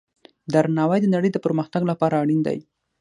درناوی د نړۍ د پرمختګ لپاره اړین دی.